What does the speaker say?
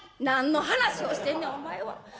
「何の話をしてんねんお前は。